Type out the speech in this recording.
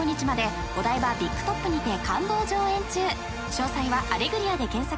［詳細はアレグリアで検索。